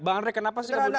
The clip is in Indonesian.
bang andre kenapa sih